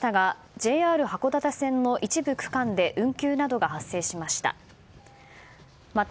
ＪＲ函館線の一部区間で運休などが発生しました。